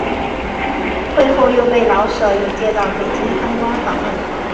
会后又被老舍引介到北京参观访问。